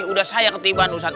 udah saya ketiban ustaz